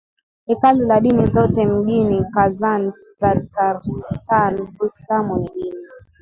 Hekalu la dini zote mjini Kazan Tatarstan Uislamu ni dini